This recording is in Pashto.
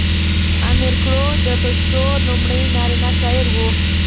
امیر کروړ د پښتو لومړی نرینه شاعر و .